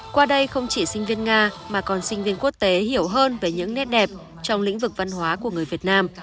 qua đây không chỉ sinh viên nga mà còn sinh viên quốc tế hiểu hơn về những nét đẹp trong lĩnh vực văn hóa của người việt nam